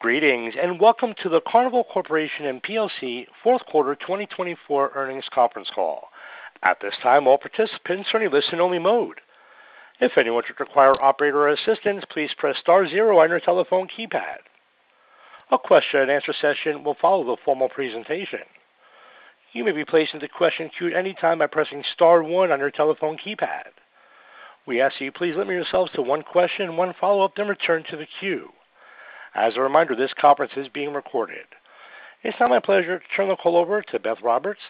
Greetings and welcome to the Carnival Corporation & plc Fourth Quarter 2024 Earnings Conference Call. At this time, all participants are in listen-only mode. If anyone should require operator assistance, please press star zero on your telephone keypad. A question-and-answer session will follow the formal presentation. You may be placed into question queue at any time by pressing star one on your telephone keypad. We ask that you please limit yourselves to one question, one follow-up, then return to the queue. As a reminder, this conference is being recorded. It's now my pleasure to turn the call over to Beth Roberts,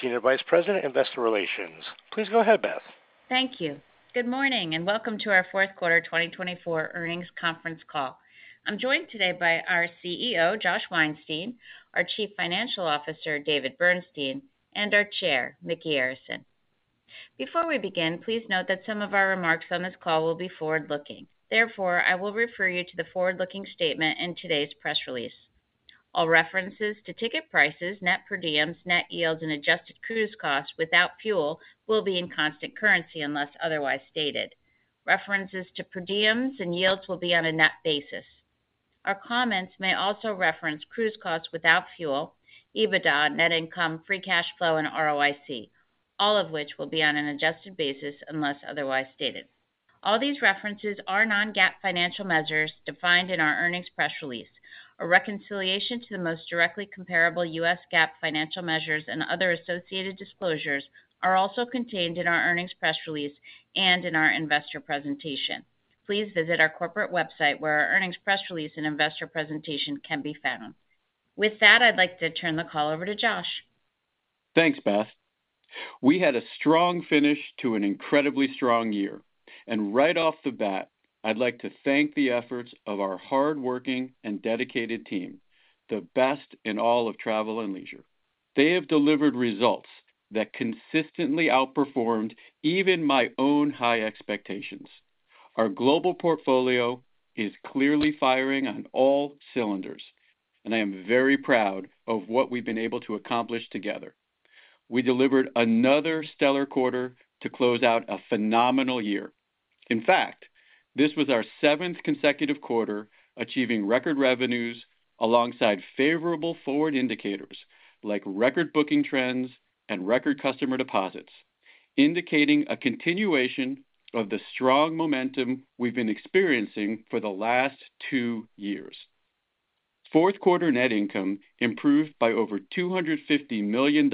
Senior Vice President, Investor Relations. Please go ahead, Beth. Thank you. Good morning and welcome to our Fourth Quarter 2024 Earnings Conference Call. I'm joined today by our CEO, Josh Weinstein, our Chief Financial Officer, David Bernstein, and our Chair, Micky Arison. Before we begin, please note that some of our remarks on this call will be forward-looking. Therefore, I will refer you to the forward-looking statement in today's press release. All references to ticket prices, net per diems, net yields, and adjusted cruise costs without fuel will be in constant currency unless otherwise stated. References to per diems and yields will be on a net basis. Our comments may also reference cruise costs without fuel, EBITDA, net income, free cash flow, and ROIC, all of which will be on an adjusted basis unless otherwise stated. All these references are non-GAAP financial measures defined in our earnings press release. A reconciliation to the most directly comparable U.S. GAAP financial measures and other associated disclosures are also contained in our earnings press release and in our investor presentation. Please visit our corporate website where our earnings press release and investor presentation can be found. With that, I'd like to turn the call over to Josh. Thanks, Beth. We had a strong finish to an incredibly strong year, and right off the bat, I'd like to thank the efforts of our hardworking and dedicated team, the best in all of travel and leisure. They have delivered results that consistently outperformed even my own high expectations. Our global portfolio is clearly firing on all cylinders, and I am very proud of what we've been able to accomplish together. We delivered another stellar quarter to close out a phenomenal year. In fact, this was our seventh consecutive quarter achieving record revenues alongside favorable forward indicators like record booking trends and record customer deposits, indicating a continuation of the strong momentum we've been experiencing for the last two years. Fourth quarter net income improved by over $250 million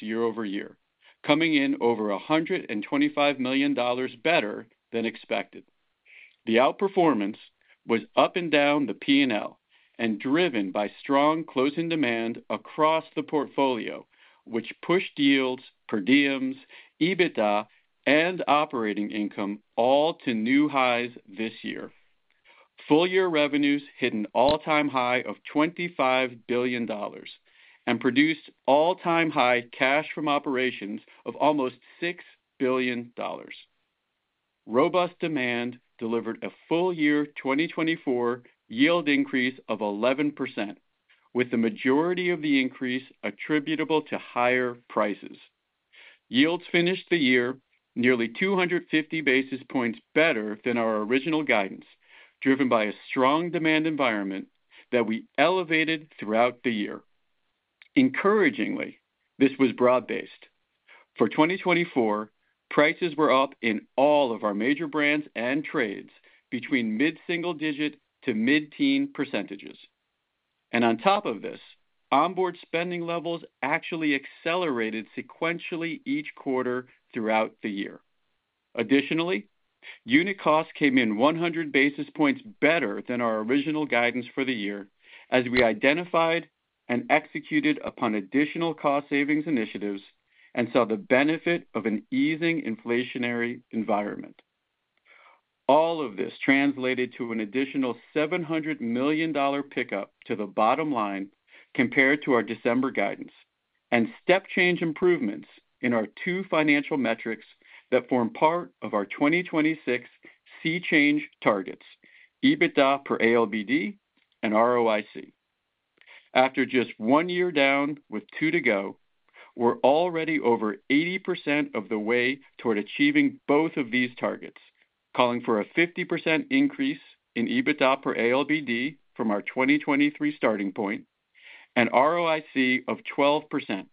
year-over-year, coming in over $125 million better than expected. The outperformance was up and down the P&L and driven by strong closing demand across the portfolio, which pushed yields, per diems, EBITDA, and operating income all to new highs this year. Full-year revenues hit an all-time high of $25 billion and produced all-time high cash from operations of almost $6 billion. Robust demand delivered a full-year 2024 yield increase of 11%, with the majority of the increase attributable to higher prices. Yields finished the year nearly 250 basis points better than our original guidance, driven by a strong demand environment that we elevated throughout the year. Encouragingly, this was broad-based. For 2024, prices were up in all of our major brands and trades between mid-single-digit to mid-teen percentages, and on top of this, onboard spending levels actually accelerated sequentially each quarter throughout the year. Additionally, unit costs came in 100 basis points better than our original guidance for the year as we identified and executed upon additional cost savings initiatives and saw the benefit of an easing inflationary environment. All of this translated to an additional $700 million pickup to the bottom line compared to our December guidance and step-change improvements in our two financial metrics that form part of our 2026 SEA Change targets, EBITDA per ALBD and ROIC. After just one year down with two to go, we're already over 80% of the way toward achieving both of these targets, calling for a 50% increase in EBITDA per ALBD from our 2023 starting point and ROIC of 12%,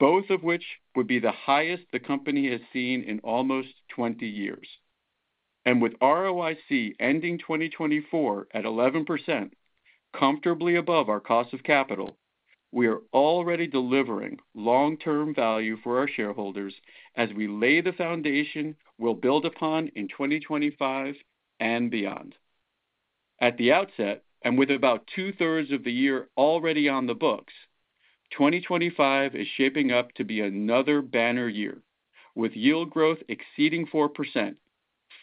both of which would be the highest the company has seen in almost 20 years. With ROIC ending 2024 at 11%, comfortably above our cost of capital, we are already delivering long-term value for our shareholders as we lay the foundation we'll build upon in 2025 and beyond. At the outset, and with about two-thirds of the year already on the books, 2025 is shaping up to be another banner year, with yield growth exceeding 4%,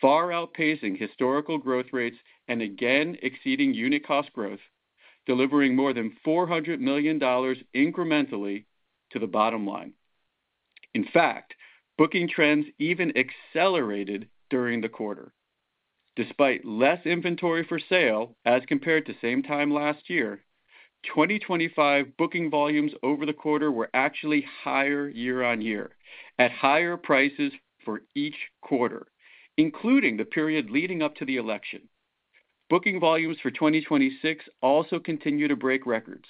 far outpacing historical growth rates and again exceeding unit cost growth, delivering more than $400 million incrementally to the bottom line. In fact, booking trends even accelerated during the quarter. Despite less inventory for sale as compared to same time last year, 2025 booking volumes over the quarter were actually higher year on year at higher prices for each quarter, including the period leading up to the election. Booking volumes for 2026 also continue to break records,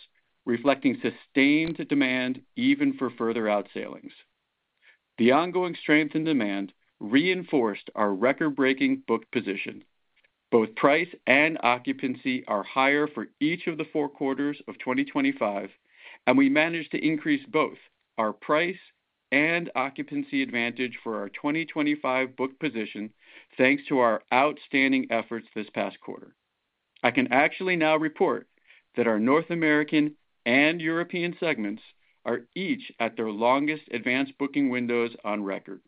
reflecting sustained demand even for further outsellings. The ongoing strength in demand reinforced our record-breaking booked position. Both price and occupancy are higher for each of the four quarters of 2025, and we managed to increase both our price and occupancy advantage for our 2025 booked position thanks to our outstanding efforts this past quarter. I can actually now report that our North American and European segments are each at their longest advanced booking windows on record.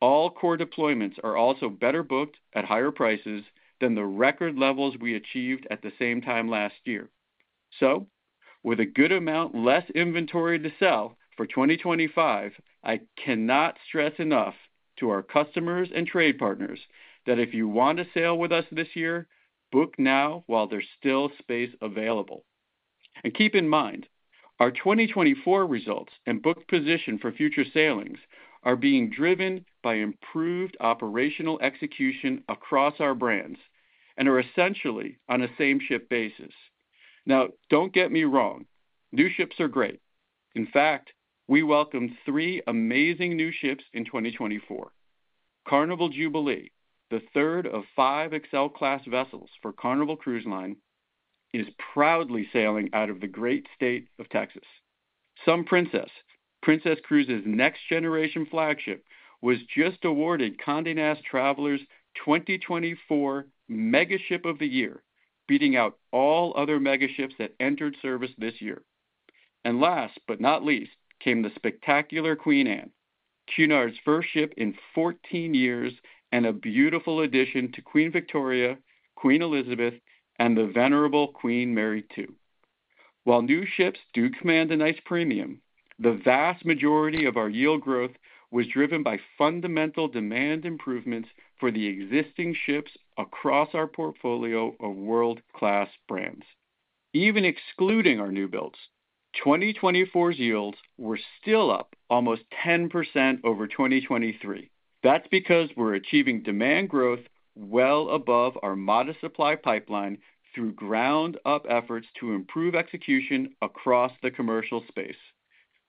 All core deployments are also better booked at higher prices than the record levels we achieved at the same time last year. So, with a good amount less inventory to sell for 2025, I cannot stress enough to our customers and trade partners that if you want to sail with us this year, book now while there's still space available. Keep in mind, our 2024 results and booked position for future sailings are being driven by improved operational execution across our brands and are essentially on a same-ship basis. Now, don't get me wrong, new ships are great. In fact, we welcomed three amazing new ships in 2024. Carnival Jubilee, the third of five Excel-class vessels for Carnival Cruise Line, is proudly sailing out of the great state of Texas. Sun Princess, Princess Cruises' next-generation flagship, was just awarded Condé Nast Traveler's 2024 Megaship of the Year, beating out all other megaships that entered service this year. Last but not least came the spectacular Queen Anne, Cunard's first ship in 14 years and a beautiful addition to Queen Victoria, Queen Elizabeth, and the venerable Queen Mary 2. While new ships do command a nice premium, the vast majority of our yield growth was driven by fundamental demand improvements for the existing ships across our portfolio of world-class brands. Even excluding our new builds, 2024's yields were still up almost 10% over 2023. That's because we're achieving demand growth well above our modest supply pipeline through ground-up efforts to improve execution across the commercial space.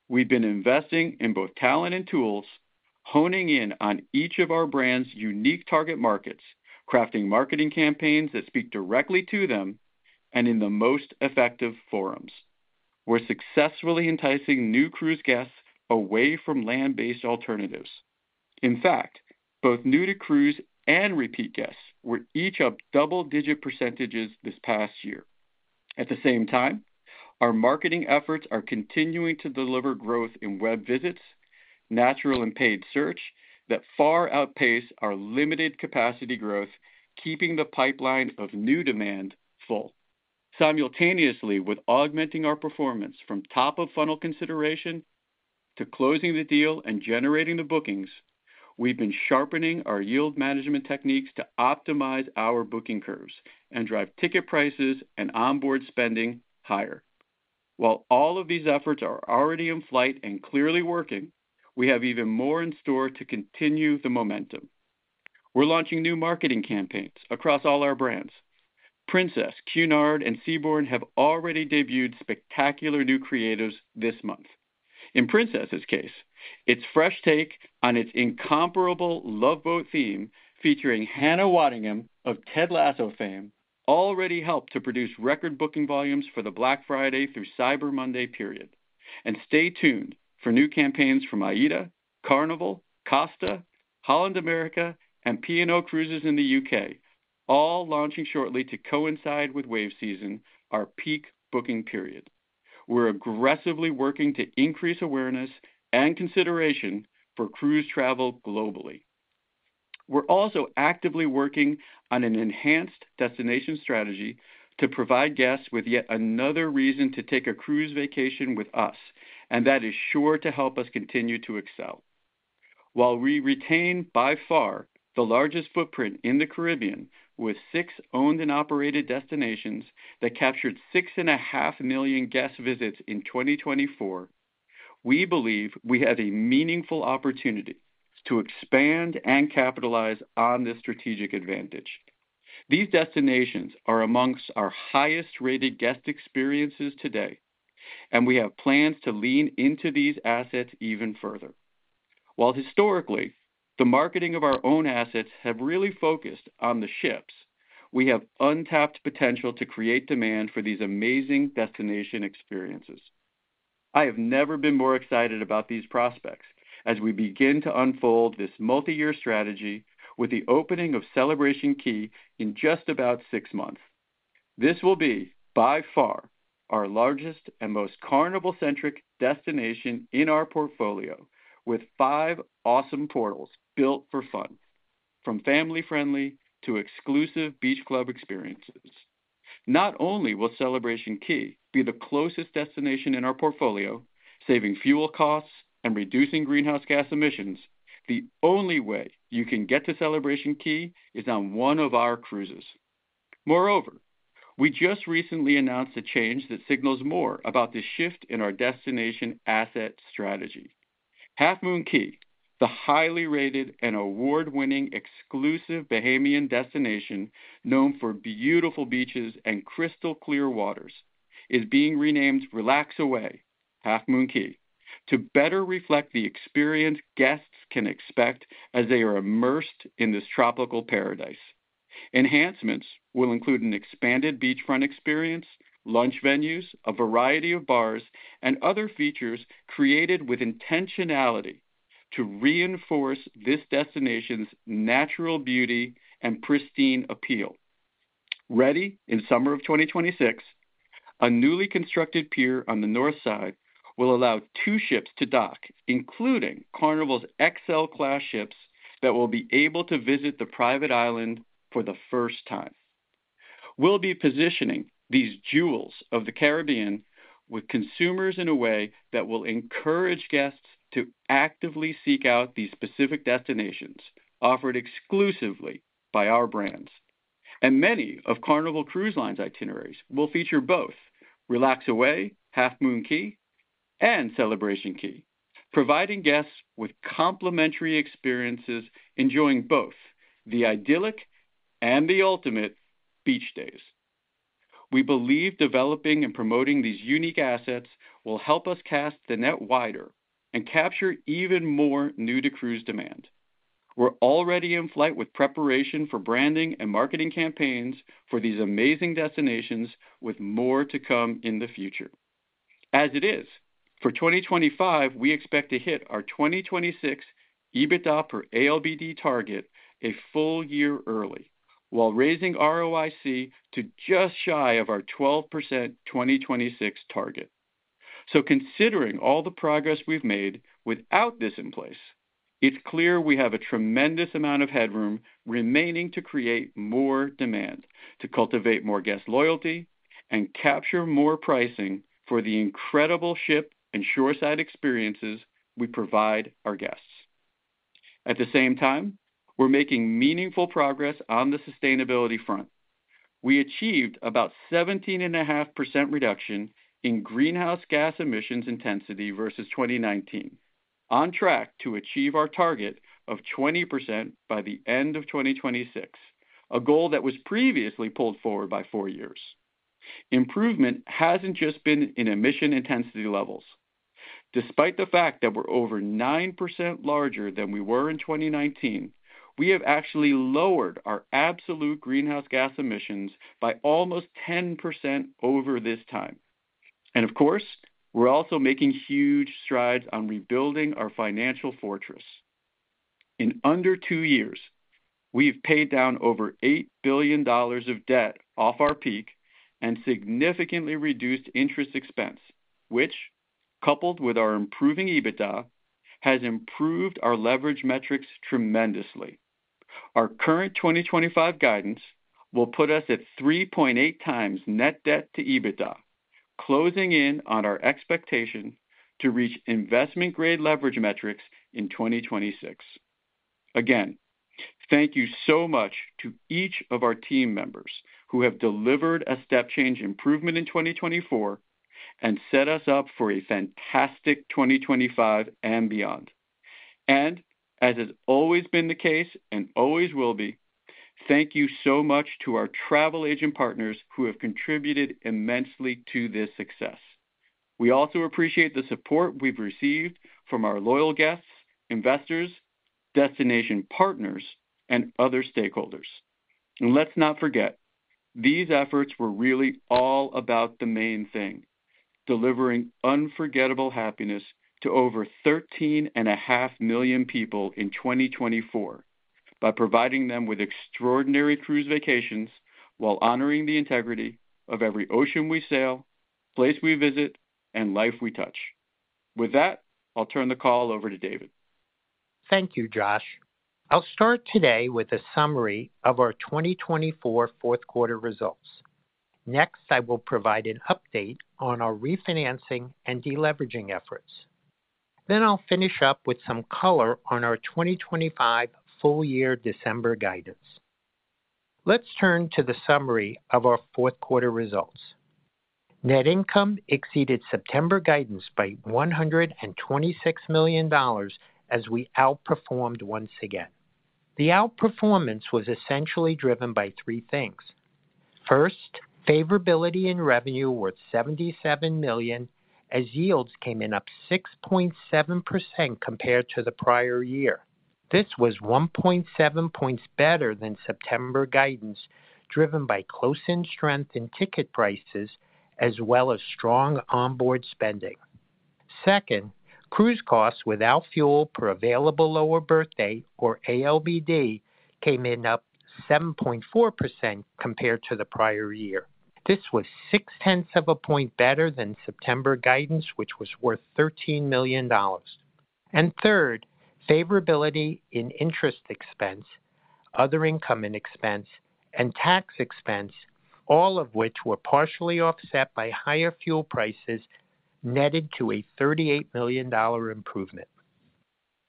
We've been investing in both talent and tools, honing in on each of our brands' unique target markets, crafting marketing campaigns that speak directly to them, and in the most effective forums. We're successfully enticing new cruise guests away from land-based alternatives. In fact, both new-to-cruise and repeat guests were each up double-digit percentages this past year. At the same time, our marketing efforts are continuing to deliver growth in web visits, natural and paid search that far outpace our limited capacity growth, keeping the pipeline of new demand full. Simultaneously with augmenting our performance from top-of-funnel consideration to closing the deal and generating the bookings, we've been sharpening our yield management techniques to optimize our booking curves and drive ticket prices and onboard spending higher. While all of these efforts are already in flight and clearly working, we have even more in store to continue the momentum. We're launching new marketing campaigns across all our brands. Princess, Cunard, and Seabourn have already debuted spectacular new creatives this month. In Princess's case, its fresh take on its incomparable Love Boat theme, featuring Hannah Waddingham of Ted Lasso fame, already helped to produce record booking volumes for the Black Friday through Cyber Monday period. Stay tuned for new campaigns from AIDA, Carnival, Costa, Holland America, and P&O Cruises in the UK, all launching shortly to coincide with Wave Season, our peak booking period. We're aggressively working to increase awareness and consideration for cruise travel globally. We're also actively working on an enhanced destination strategy to provide guests with yet another reason to take a cruise vacation with us, and that is sure to help us continue to excel. While we retain by far the largest footprint in the Caribbean with six owned and operated destinations that captured six and a half million guest visits in 2024, we believe we have a meaningful opportunity to expand and capitalize on this strategic advantage. These destinations are among our highest-rated guest experiences today, and we have plans to lean into these assets even further. While historically, the marketing of our own assets has really focused on the ships, we have untapped potential to create demand for these amazing destination experiences. I have never been more excited about these prospects as we begin to unfold this multi-year strategy with the opening of Celebration Key in just about six months. This will be by far our largest and most Carnival-centric destination in our portfolio, with five awesome portals built for fun, from family-friendly to exclusive beach club experiences. Not only will Celebration Key be the closest destination in our portfolio, saving fuel costs and reducing greenhouse gas emissions. The only way you can get to Celebration Key is on one of our cruises. Moreover, we just recently announced a change that signals more about the shift in our destination asset strategy. Half Moon Cay, the highly rated and award-winning exclusive Bahamian destination known for beautiful beaches and crystal-clear waters, is being renamed Relax Away, Half Moon Cay, to better reflect the experience guests can expect as they are immersed in this tropical paradise. Enhancements will include an expanded beachfront experience, lunch venues, a variety of bars, and other features created with intentionality to reinforce this destination's natural beauty and pristine appeal. Ready in summer of 2026, a newly constructed pier on the north side will allow two ships to dock, including Carnival's Excel-class ships that will be able to visit the private island for the first time. We'll be positioning these jewels of the Caribbean with consumers in a way that will encourage guests to actively seek out these specific destinations offered exclusively by our brands. And many of Carnival Cruise Line's itineraries will feature both Relax Away, Half Moon Cay, and Celebration Key, providing guests with complimentary experiences enjoying both the idyllic and the ultimate beach days. We believe developing and promoting these unique assets will help us cast the net wider and capture even more new-to-cruise demand. We're already in flight with preparation for branding and marketing campaigns for these amazing destinations with more to come in the future. As it is, for 2025, we expect to hit our 2026 EBITDA per ALBD target a full year early while raising ROIC to just shy of our 12% 2026 target. So considering all the progress we've made without this in place, it's clear we have a tremendous amount of headroom remaining to create more demand, to cultivate more guest loyalty, and capture more pricing for the incredible ship and shoreside experiences we provide our guests. At the same time, we're making meaningful progress on the sustainability front. We achieved about 17.5% reduction in greenhouse gas emissions intensity versus 2019, on track to achieve our target of 20% by the end of 2026, a goal that was previously pulled forward by four years. Improvement hasn't just been in emission intensity levels. Despite the fact that we're over 9% larger than we were in 2019, we have actually lowered our absolute greenhouse gas emissions by almost 10% over this time. And of course, we're also making huge strides on rebuilding our financial fortress. In under two years, we've paid down over $8 billion of debt off our peak and significantly reduced interest expense, which, coupled with our improving EBITDA, has improved our leverage metrics tremendously. Our current 2025 guidance will put us at 3.8x net debt to EBITDA, closing in on our expectation to reach investment-grade leverage metrics in 2026. Again, thank you so much to each of our team members who have delivered a step-change improvement in 2024 and set us up for a fantastic 2025 and beyond. And as has always been the case and always will be, thank you so much to our travel agent partners who have contributed immensely to this success. We also appreciate the support we've received from our loyal guests, investors, destination partners, and other stakeholders. And let's not forget, these efforts were really all about the main thing: delivering unforgettable happiness to over 13.5 million people in 2024 by providing them with extraordinary cruise vacations while honoring the integrity of every ocean we sail, place we visit, and life we touch. With that, I'll turn the call over to David. Thank you, Josh. I'll start today with a summary of our 2024 fourth quarter results. Next, I will provide an update on our refinancing and deleveraging efforts. Then I'll finish up with some color on our 2025 full year December guidance. Let's turn to the summary of our fourth quarter results. Net income exceeded September guidance by $126 million as we outperformed once again. The outperformance was essentially driven by three things. First, favorability in revenue worth $77 million as yields came in up 6.7% compared to the prior year. This was 1.7 points better than September guidance driven by close-in strength in ticket prices as well as strong onboard spending. Second, cruise costs without fuel per available lower berth day or ALBD came in up 7.4% compared to the prior year. This was six tenths of a point better than September guidance, which was worth $13 million, and third, favorability in interest expense, other income and expense, and tax expense, all of which were partially offset by higher fuel prices netted to a $38 million improvement.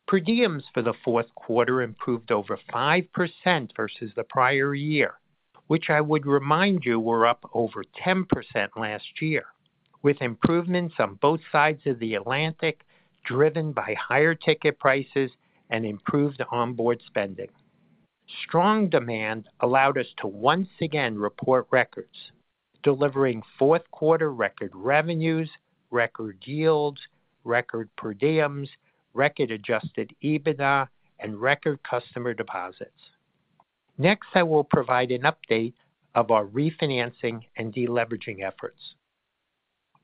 Per diems for the fourth quarter improved over 5% versus the prior year, which I would remind you were up over 10% last year, with improvements on both sides of the Atlantic driven by higher ticket prices and improved onboard spending. Strong demand allowed us to once again report records, delivering fourth quarter record revenues, record yields, record per diems, record adjusted EBITDA, and record customer deposits. Next, I will provide an update of our refinancing and deleveraging efforts.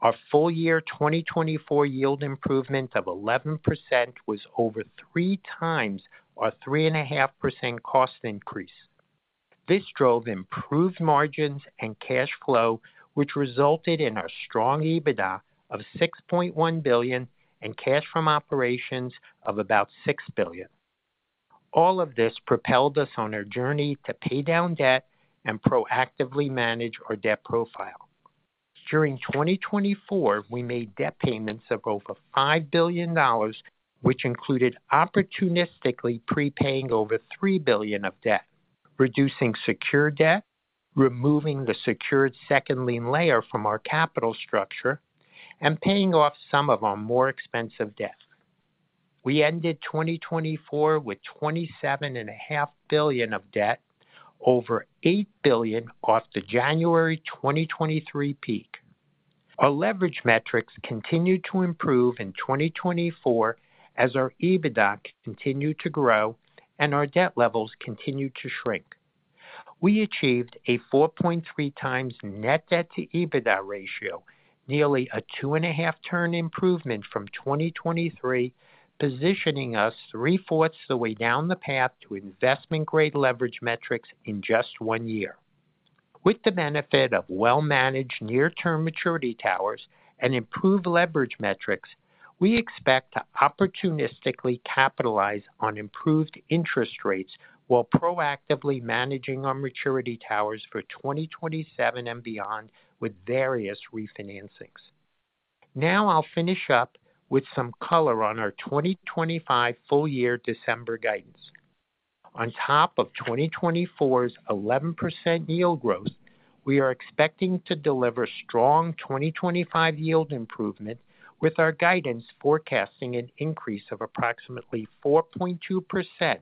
Our full year 2024 yield improvement of 11% was over three times our 3.5% cost increase. This drove improved margins and cash flow, which resulted in our strong EBITDA of $6.1 billion and cash from operations of about $6 billion. All of this propelled us on our journey to pay down debt and proactively manage our debt profile. During 2024, we made debt payments of over $5 billion, which included opportunistically prepaying over $3 billion of debt, reducing secured debt, removing the secured second lien layer from our capital structure, and paying off some of our more expensive debt. We ended 2024 with $27.5 billion of debt, over $8 billion off the January 2023 peak. Our leverage metrics continued to improve in 2024 as our EBITDA continued to grow and our debt levels continued to shrink. We achieved a 4.3x net debt to EBITDA ratio, nearly a 2.5 turn improvement from 2023, positioning us three-fourths of the way down the path to investment-grade leverage metrics in just one year. With the benefit of well-managed near-term maturity towers and improved leverage metrics, we expect to opportunistically capitalize on improved interest rates while proactively managing our maturity towers for 2027 and beyond with various refinancings. Now I'll finish up with some color on our 2025 full year December guidance. On top of 2024's 11% yield growth, we are expecting to deliver strong 2025 yield improvement with our guidance forecasting an increase of approximately 4.2%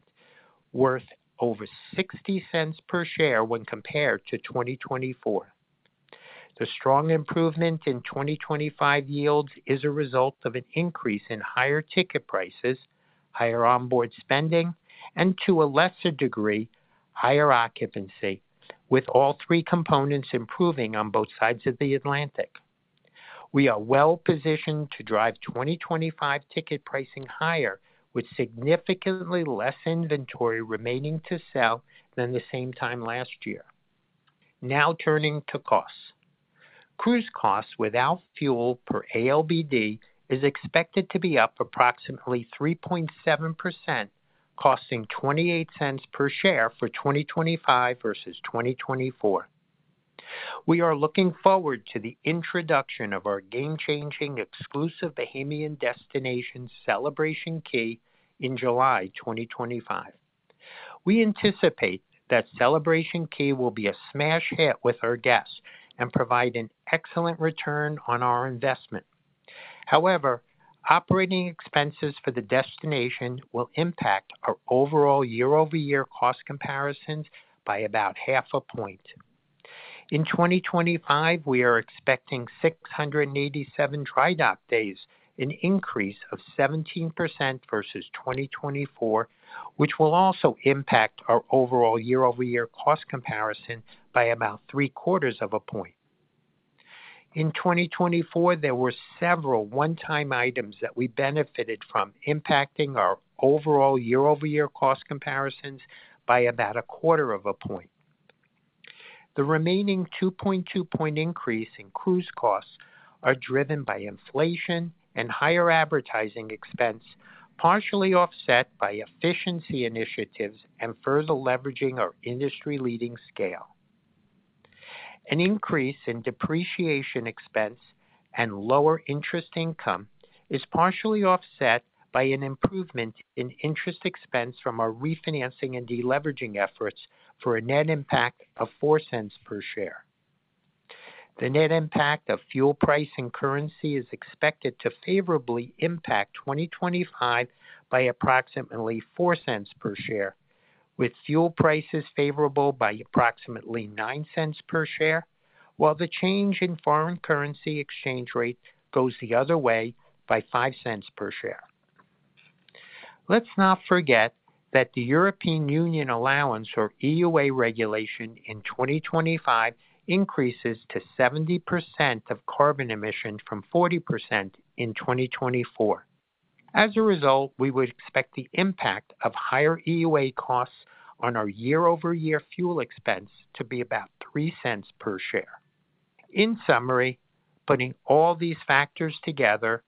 worth over $0.60 per share when compared to 2024. The strong improvement in 2025 yields is a result of an increase in higher ticket prices, higher onboard spending, and to a lesser degree, higher occupancy, with all three components improving on both sides of the Atlantic. We are well positioned to drive 2025 ticket pricing higher with significantly less inventory remaining to sell than the same time last year. Now turning to costs. Cruise costs without fuel per ALBD is expected to be up approximately 3.7%, costing $0.28 per share for 2025 versus 2024. We are looking forward to the introduction of our game-changing exclusive Bahamian destination, Celebration Key, in July 2025. We anticipate that Celebration Key will be a smash hit with our guests and provide an excellent return on our investment. However, operating expenses for the destination will impact our overall year-over-year cost comparisons by about half a point. In 2025, we are expecting 687 dry dock days, an increase of 17% versus 2024, which will also impact our overall year-over-year cost comparison by about three-quarters of a point. In 2024, there were several one-time items that we benefited from impacting our overall year-over-year cost comparisons by about a quarter of a point. The remaining 2.2-point increase in cruise costs is driven by inflation and higher advertising expense, partially offset by efficiency initiatives and further leveraging our industry-leading scale. An increase in depreciation expense and lower interest income is partially offset by an improvement in interest expense from our refinancing and deleveraging efforts for a net impact of $0.04 per share. The net impact of fuel price and currency is expected to favorably impact 2025 by approximately $0.04 per share, with fuel prices favorable by approximately $0.09 per share, while the change in foreign currency exchange rate goes the other way by $0.05 per share. Let's not forget that the European Union allowance or EUA regulation in 2025 increases to 70% of carbon emissions from 40% in 2024. As a result, we would expect the impact of higher EUA costs on our year-over-year fuel expense to be about $0.03 per share. In summary, putting all these factors together,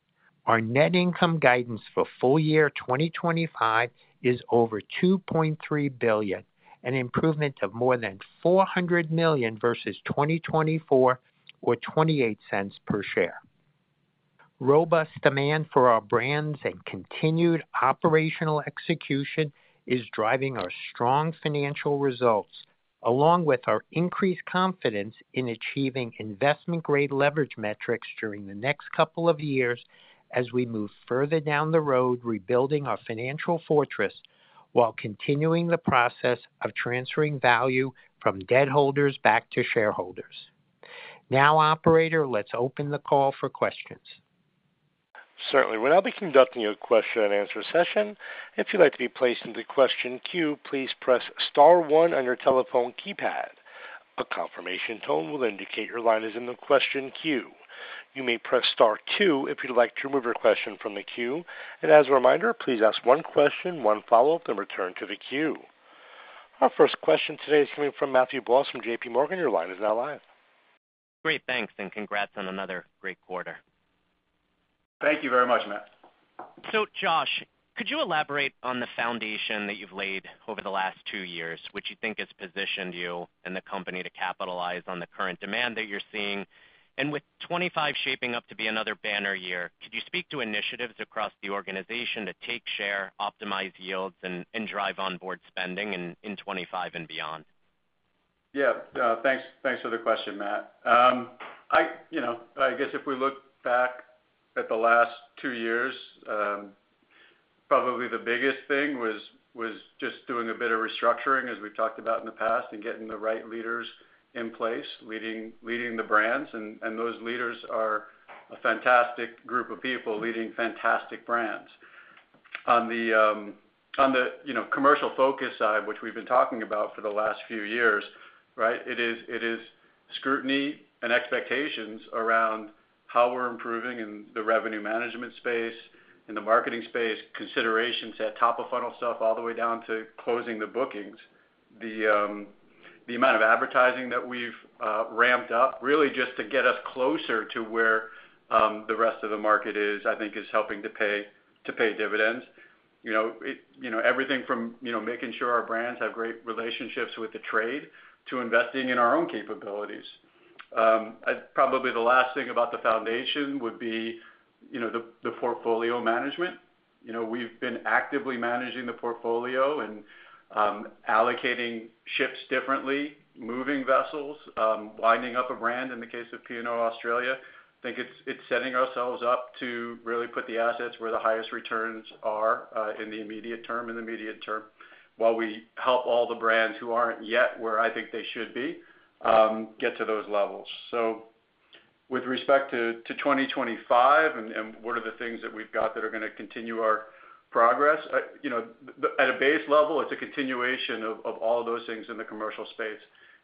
our net income guidance for full year 2025 is over $2.3 billion, an improvement of more than $400 million versus 2024 or $0.28 per share. Robust demand for our brands and continued operational execution is driving our strong financial results, along with our increased confidence in achieving investment-grade leverage metrics during the next couple of years as we move further down the road rebuilding our financial fortress while continuing the process of transferring value from debt holders back to shareholders. Now, operator, let's open the call for questions. Certainly. We'll now be conducting a question and answer session. If you'd like to be placed into question queue, please press star one on your telephone keypad. A confirmation tone will indicate your line is in the question queue. You may press star two if you'd like to remove your question from the queue. And as a reminder, please ask one question, one follow-up, and return to the queue. Our first question today is coming from Matthew Boss from J.P. Morgan. Your line is now live. Great. Thanks. And congrats on another great quarter. Thank you very much, Matt. So, Josh, could you elaborate on the foundation that you've laid over the last two years, which you think has positioned you and the company to capitalize on the current demand that you're seeing? And with 2025 shaping up to be another banner year, could you speak to initiatives across the organization to take share, optimize yields, and drive onboard spending in 2025 and beyond? Yeah. Thanks for the question, Matt. I guess if we look back at the last two years, probably the biggest thing was just doing a bit of restructuring, as we've talked about in the past, and getting the right leaders in place, leading the brands. And those leaders are a fantastic group of people leading fantastic brands. On the commercial focus side, which we've been talking about for the last few years, it is scrutiny and expectations around how we're improving in the revenue management space, in the marketing space, considerations at top-of-funnel stuff all the way down to closing the bookings. The amount of advertising that we've ramped up, really just to get us closer to where the rest of the market is, I think is helping to pay dividends. Everything from making sure our brands have great relationships with the trade to investing in our own capabilities. Probably the last thing about the foundation would be the portfolio management. We've been actively managing the portfolio and allocating ships differently, moving vessels, winding up a brand in the case of P&O Australia. I think it's setting ourselves up to really put the assets where the highest returns are in the immediate term, in the immediate term, while we help all the brands who aren't yet where I think they should be, get to those levels. So with respect to 2025 and what are the things that we've got that are going to continue our progress, at a base level, it's a continuation of all of those things in the commercial space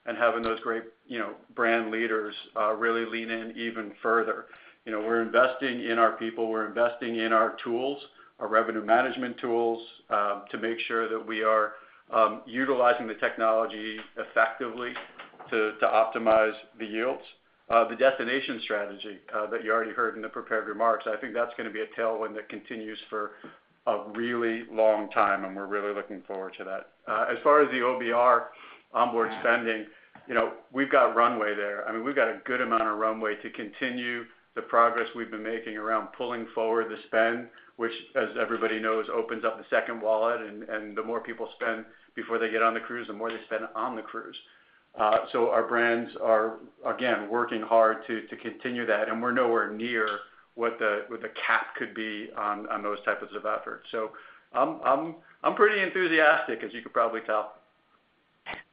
and having those great brand leaders really lean in even further. We're investing in our people. We're investing in our tools, our revenue management tools, to make sure that we are utilizing the technology effectively to optimize the yields. The destination strategy that you already heard in the prepared remarks, I think that's going to be a tailwind that continues for a really long time, and we're really looking forward to that. As far as the OBR onboard spending, we've got runway there. I mean, we've got a good amount of runway to continue the progress we've been making around pulling forward the spend, which, as everybody knows, opens up the second wallet. And the more people spend before they get on the cruise, the more they spend on the cruise. So our brands are, again, working hard to continue that, and we're nowhere near what the cap could be on those types of efforts. So I'm pretty enthusiastic, as you could probably tell.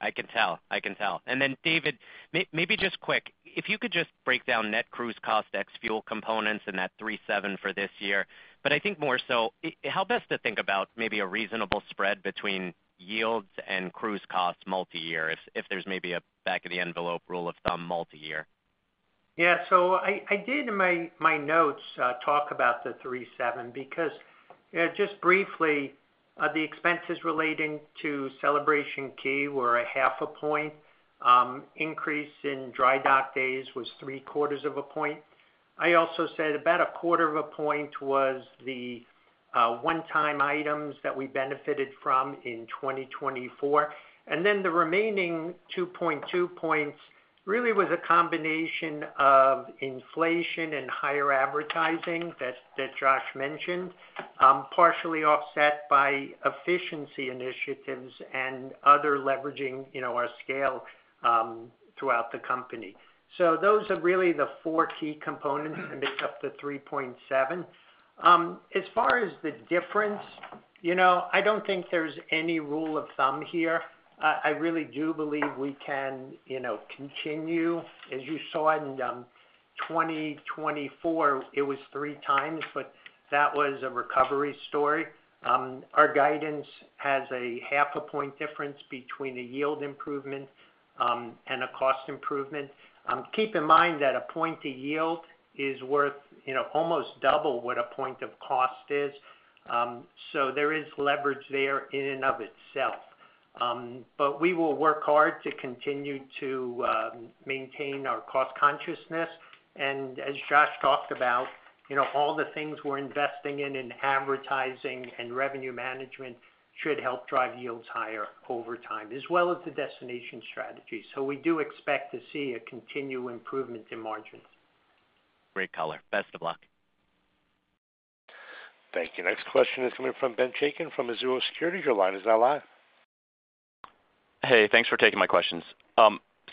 I can tell. I can tell. And then, David, maybe just quick, if you could just break down net cruise cost, ex-fuel components, and that 3.7 for this year, but I think more so, how best to think about maybe a reasonable spread between yields and cruise costs multi-year if there's maybe a back-of-the-envelope rule of thumb multi-year? Yeah. So I did in my notes talk about the 3.7 because just briefly, the expenses relating to Celebration Key were 0.5 point. Increase in dry dock days was 0.75 point. I also said about 0.25 point was the one-time items that we benefited from in 2024. And then the remaining 2.2 points really was a combination of inflation and higher advertising that Josh mentioned, partially offset by efficiency initiatives and other leveraging our scale throughout the company. So those are really the four key components that make up the 3.7. As far as the difference, I don't think there's any rule of thumb here. I really do believe we can continue. As you saw in 2024, it was three times, but that was a recovery story. Our guidance has a half a point difference between a yield improvement and a cost improvement. Keep in mind that a point of yield is worth almost double what a point of cost is. So there is leverage there in and of itself. But we will work hard to continue to maintain our cost consciousness. And as Josh talked about, all the things we're investing in, in advertising and revenue management, should help drive yields higher over time, as well as the destination strategy. So we do expect to see a continued improvement in margins. Great color. Best of luck. Thank you. Next question is coming from Ben Chaiken from Evercore ISI. Your line is now live. Hey, thanks for taking my questions.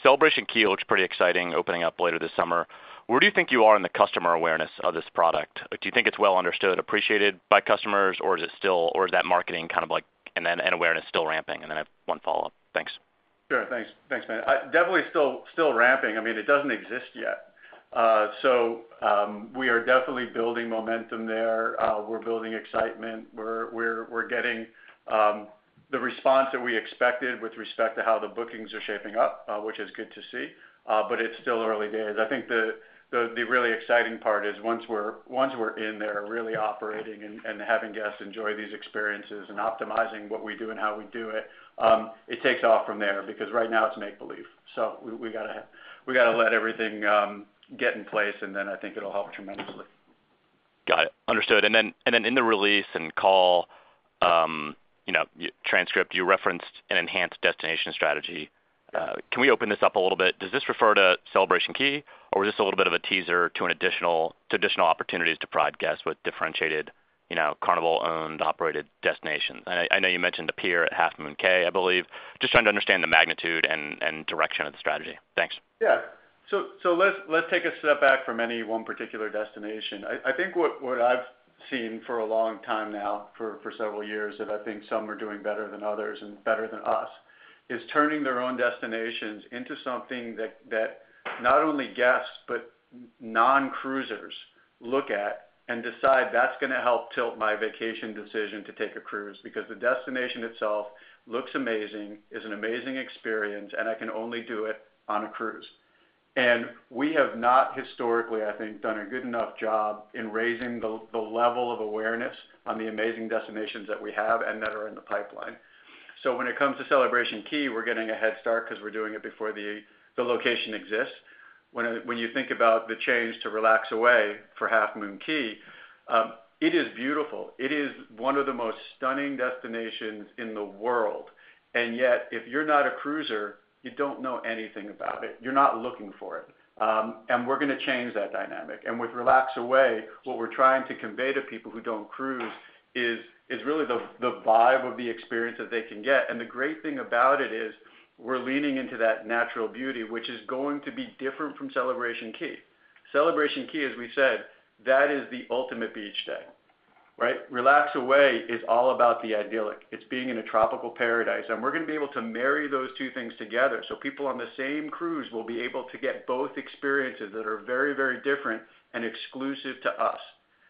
Celebration Key, which is pretty exciting, opening up later this summer. Where do you think you are in the customer awareness of this product? Do you think it's well understood, appreciated by customers, or is that marketing kind of like an awareness still ramping? And then I have one follow-up. Thanks. Sure. Thanks, Ben. Definitely still ramping. I mean, it doesn't exist yet. So we are definitely building momentum there. We're building excitement. We're getting the response that we expected with respect to how the bookings are shaping up, which is good to see, but it's still early days. I think the really exciting part is once we're in there, really operating and having guests enjoy these experiences and optimizing what we do and how we do it, it takes off from there because right now it's make-believe. So we got to let everything get in place, and then I think it'll help tremendously. Got it. Understood. And then in the release and call transcript, you referenced an enhanced destination strategy. Can we open this up a little bit? Does this refer to Celebration Key, or was this a little bit of a teaser to additional opportunities to provide guests with differentiated Carnival-owned, operated destinations? I know you mentioned a pier at Half Moon Cay, I believe. Just trying to understand the magnitude and direction of the strategy. Thanks. Yeah. So let's take a step back from any one particular destination. I think what I've seen for a long time now, for several years, and I think some are doing better than others and better than us, is turning their own destinations into something that not only guests but non-cruisers look at and decide, "That's going to help tilt my vacation decision to take a cruise because the destination itself looks amazing, is an amazing experience, and I can only do it on a cruise." And we have not historically, I think, done a good enough job in raising the level of awareness on the amazing destinations that we have and that are in the pipeline. So when it comes to Celebration Key, we're getting a head start because we're doing it before the location exists. When you think about the change to Relax Away for Half Moon Cay, it is beautiful. It is one of the most stunning destinations in the world. And yet, if you're not a cruiser, you don't know anything about it. You're not looking for it. And we're going to change that dynamic. And with Relax Away, what we're trying to convey to people who don't cruise is really the vibe of the experience that they can get. And the great thing about it is we're leaning into that natural beauty, which is going to be different from Celebration Key. Celebration Key, as we said, that is the ultimate beach day. Relax Away is all about the idyllic. It's being in a tropical paradise. And we're going to be able to marry those two things together so people on the same cruise will be able to get both experiences that are very, very different and exclusive to us.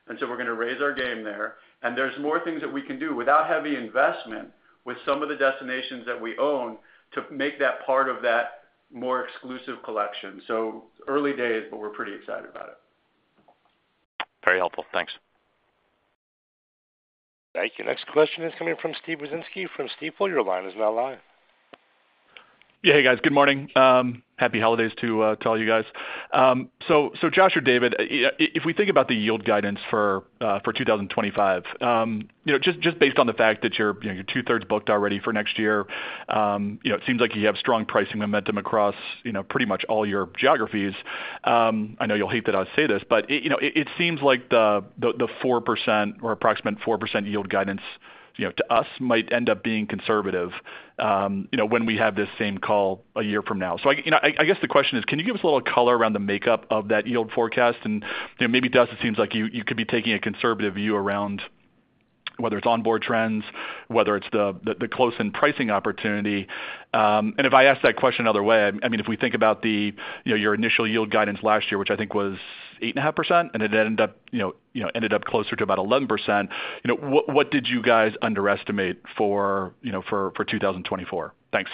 And so we're going to raise our game there. And there's more things that we can do without heavy investment with some of the destinations that we own to make that part of that more exclusive collection. So early days, but we're pretty excited about it. Very helpful. Thanks. Thank you. Next question is coming from Steve Wieczynski from Stifel. Your line is now live. Yeah. Hey, guys. Good morning. Happy holidays to all you guys. So Josh or David, if we think about the yield guidance for 2025, just based on the fact that you're two-thirds booked already for next year, it seems like you have strong pricing momentum across pretty much all your geographies. I know you'll hate that I say this, but it seems like the 4% or approximate 4% yield guidance to us might end up being conservative when we have this same call a year from now. So I guess the question is, can you give us a little color around the makeup of that yield forecast? And maybe, David, it seems like you could be taking a conservative view around whether it's onboard trends, whether it's the close-in pricing opportunity. And if I ask that question another way, I mean, if we think about your initial yield guidance last year, which I think was 8.5%, and it ended up closer to about 11%, what did you guys underestimate for 2024? Thanks.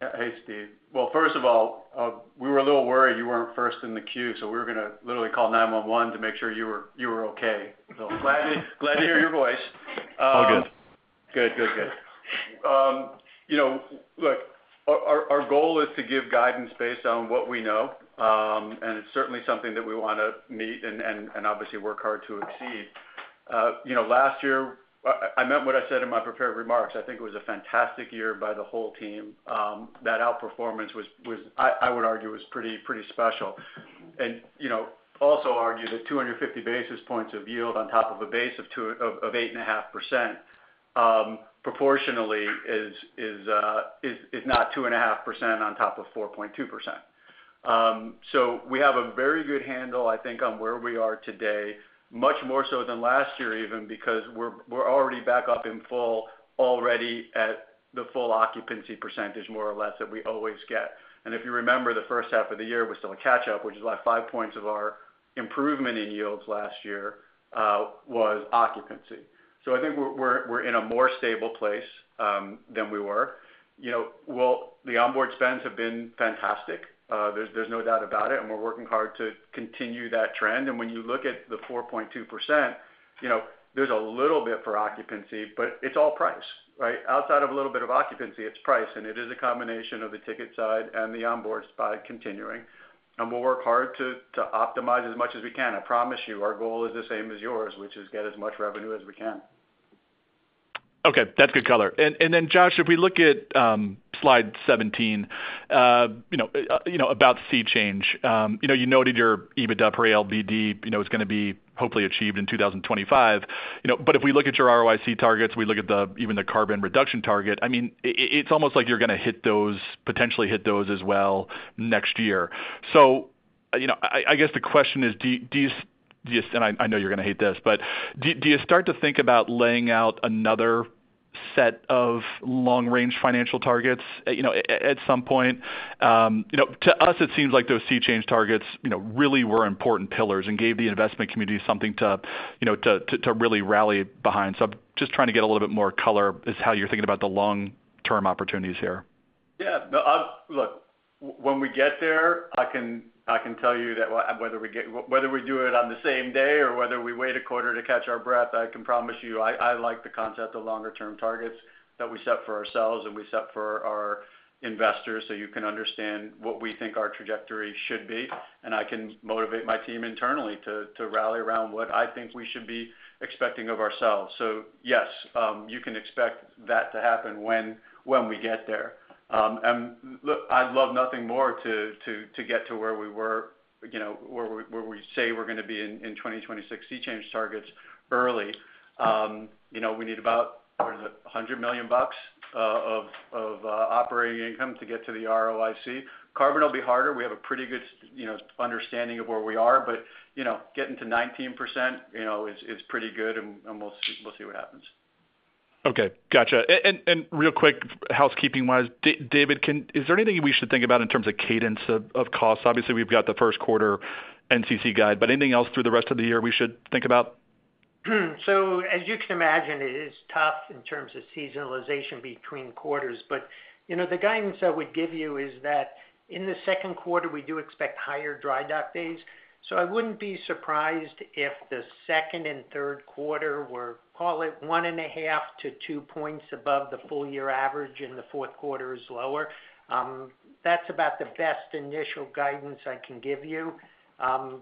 Hey, Steve. Well, first of all, we were a little worried you weren't first in the queue, so we were going to literally call 911 to make sure you were okay. So glad to hear your voice. All good. Good, good, good. Look, our goal is to give guidance based on what we know, and it's certainly something that we want to meet and obviously work hard to exceed. Last year, I meant what I said in my prepared remarks. I think it was a fantastic year by the whole team. That outperformance, I would argue, was pretty special. And also argue that 250 basis points of yield on top of a base of 8.5% proportionally is not 2.5% on top of 4.2%. So we have a very good handle, I think, on where we are today, much more so than last year even because we're already back up in full already at the full occupancy percentage, more or less, that we always get. And if you remember, the first half of the year was still a catch-up, which is why 5 points of our improvement in yields last year was occupancy. I think we're in a more stable place than we were. Well, the onboard spends have been fantastic. There's no doubt about it, and we're working hard to continue that trend. When you look at the 4.2%, there's a little bit for occupancy, but it's all price. Outside of a little bit of occupancy, it's price, and it is a combination of the ticket side and the onboard side continuing. We'll work hard to optimize as much as we can. I promise you our goal is the same as yours, which is get as much revenue as we can. Okay. That's good color. Then, Josh, if we look at slide 17 about SEA Change, you noted your EBITDA per ALBD is going to be hopefully achieved in 2025. But if we look at your ROIC targets, we look at even the carbon reduction target, I mean, it's almost like you're going to potentially hit those as well next year. So I guess the question is, do you, and I know you're going to hate this, but do you start to think about laying out another set of long-range financial targets at some point? To us, it seems like those SEA Change targets really were important pillars and gave the investment community something to really rally behind. So I'm just trying to get a little bit more color as to how you're thinking about the long-term opportunities here. Yeah. Look, when we get there, I can tell you that whether we do it on the same day or whether we wait a quarter to catch our breath, I can promise you I like the concept of longer-term targets that we set for ourselves and we set for our investors so you can understand what we think our trajectory should be. And I can motivate my team internally to rally around what I think we should be expecting of ourselves. So yes, you can expect that to happen when we get there. And look, I'd love nothing more to get to where we were, where we say we're going to be in 2026 SEA Change targets early. We need about $100 million of operating income to get to the ROIC. Carbon will be harder. We have a pretty good understanding of where we are, but getting to 19% is pretty good, and we'll see what happens. Okay. Gotcha. And real quick, housekeeping-wise, David, is there anything we should think about in terms of cadence of costs? Obviously, we've got the first quarter NCC guide, but anything else through the rest of the year we should think about? So as you can imagine, it is tough in terms of seasonalization between quarters. But the guidance I would give you is that in the second quarter, we do expect higher dry dock days. So I wouldn't be surprised if the second and third quarter were, call it, one and a half to two points above the full-year average and the fourth quarter is lower. That's about the best initial guidance I can give you.